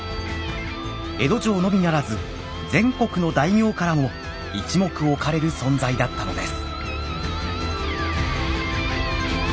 江戸城のみならず全国の大名からも一目置かれる存在だったのです。